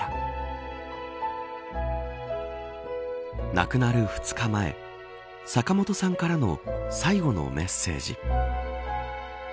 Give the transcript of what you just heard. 亡くなる２日前坂本さんからの最後のメッセージ。